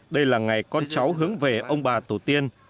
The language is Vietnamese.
đây là ngày con cháu hướng về ông bà tổ tiên